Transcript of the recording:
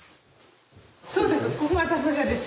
そうです